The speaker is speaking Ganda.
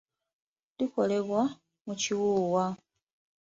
Likolebwa mu kiwuuwa.